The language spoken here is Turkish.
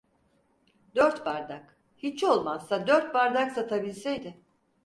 Dört bardak, hiç olmazsa dört bardak satabilseydi.